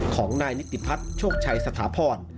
ของนายนิติพัฒน์โชคชัยสถาพร